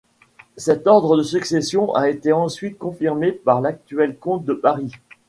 Cet ordre de succession a été ensuite confirmé par l'actuel comte de Paris.